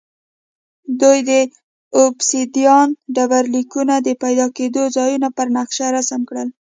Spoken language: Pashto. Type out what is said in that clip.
دوی د اوبسیدیان ډبرلیکونو د پیدا کېدو ځایونه پر نقشه رسم کړل